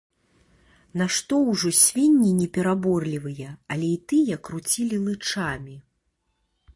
Нашто ўжо свінні непераборлівыя, але і тыя круцілі лычамі.